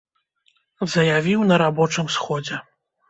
Заявіў на рабочым сходзе.